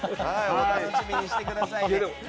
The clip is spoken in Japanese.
お楽しみにしてください。